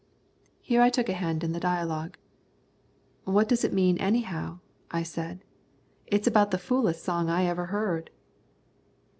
Here I took a hand in the dialogue. "What does it mean anyhow?" I said. "It's about the foolest song I ever heard."